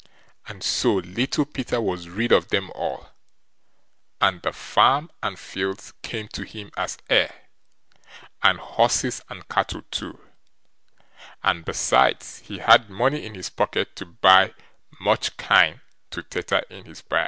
And so Little Peter was rid of them all, and the farm and fields came to him as heir, and horses and cattle too; and, besides, he had money in his pocket to buy milch kine to tether in his byre.